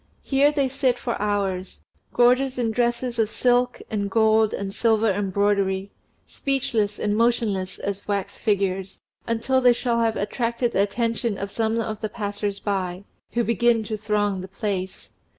Here they sit for hours, gorgeous in dresses of silk and gold and silver embroidery, speechless and motionless as wax figures, until they shall have attracted the attention of some of the passers by, who begin to throng the place.